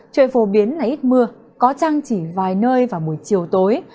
trời phổ biến là ít mưa có trăng chỉ vài nơi vào buổi chiều tối